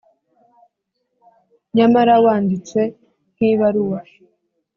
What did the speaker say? Nyamara wanditse nk'ibaruwa,